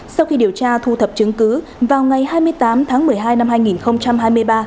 sau khi điều tra thu thập chứng cứ vào ngày hai mươi tám tháng một mươi hai năm hai nghìn hai mươi ba